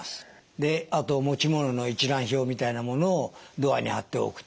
であと持ち物の一覧表みたいなものをドアに貼っておくと。